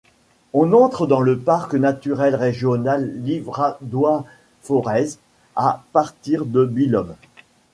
On entre dans le parc naturel régional Livradois-Forez, à partir de Billom.